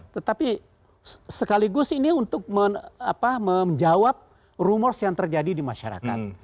tetapi sekaligus ini untuk menjawab rumors yang terjadi di masyarakat